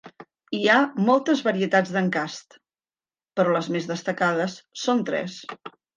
Hi ha moltes varietats d'encast, però les més destacades són tres.